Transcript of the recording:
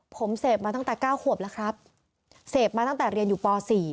ผมเสพมาตั้งแต่๙ขวบแล้วครับเสพมาตั้งแต่เรียนอยู่ป๔